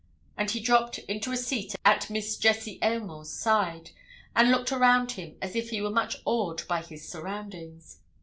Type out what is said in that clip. And he dropped into a seat at Miss Jessie Aylmore's side, and looked around him as if he were much awed by his surroundings.